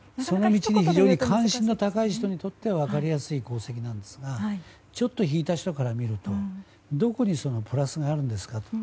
関心の高い人にとっては分かりやすい功績なんですがちょっと引いた人から見るとどこにプラスがあるんですかと。